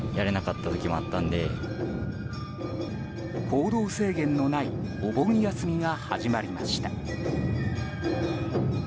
行動制限のないお盆休みが始まりました。